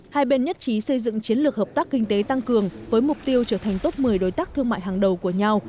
hai bên nhất trí xây dựng chiến lược hợp tác kinh tế tăng cường với mục tiêu trở thành top một mươi đối tác thương mại hàng đầu của nhau